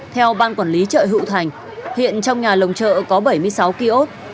theo ban quản lý chợ hụ thành hiện trong nhà lồng chợ có bảy mươi sáu ký ốt